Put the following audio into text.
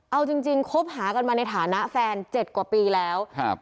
เอาจริงจริงคบหากันมาในฐานะแฟนเจ็ดกว่าปีแล้วครับ